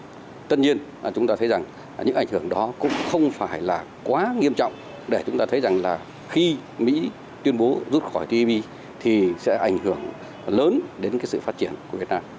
tuy nhiên chúng ta thấy rằng những ảnh hưởng đó cũng không phải là quá nghiêm trọng để chúng ta thấy rằng là khi mỹ tuyên bố rút khỏi tv thì sẽ ảnh hưởng lớn đến cái sự phát triển của việt nam